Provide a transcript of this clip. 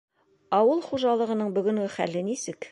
Ауыл хужалығының бөгөнгө хәле нисек?